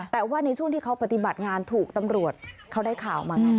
แต่ว่าในช่วงที่เขาปฏิบัติงานถูกตำรวจเขาได้ข่าวมาไง